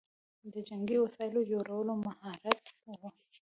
د جنګي وسایلو جوړول مهارت و